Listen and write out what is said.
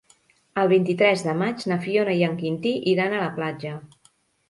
El vint-i-tres de maig na Fiona i en Quintí iran a la platja.